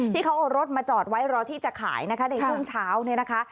ที่เขาเอารถมาจอดไว้รอที่จะขายในกล้องเช้า